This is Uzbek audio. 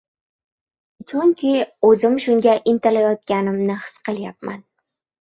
chunki o‘zim shunga intilayotganimni his qilayapman.